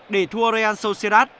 để thua real sociedad